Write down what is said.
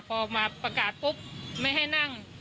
พอมาประกาศปุ๊บไม่ให้นั่ง